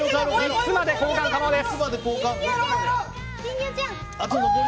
３つまで交換可能です。